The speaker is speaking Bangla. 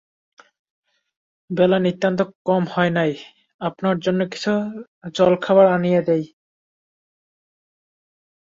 বেলা নিতান্ত কম হয় নাই, আপনার জন্য কিছু জলখাবার আনাইয়া দিই।